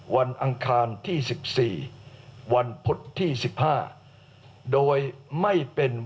วันอังคารที่๑๔วันพุธที่๑๕